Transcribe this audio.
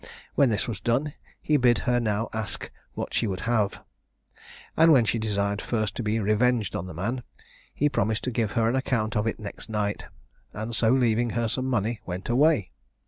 When this was done, he bid her now ask what she would have. And when she desired first to be revenged on the man, he promised to give her an account of it next night, and so leaving her some money went away.